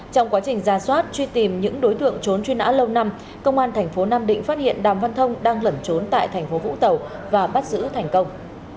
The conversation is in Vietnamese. trong quá trình ra soát truy tìm những đối tượng trốn truy nã lâu năm công an thành phố nam định phát hiện đàm văn thông đang lẩn trốn tại thành phố vũng tàu và bắt giữ thành công